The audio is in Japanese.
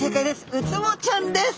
ウツボちゃんです。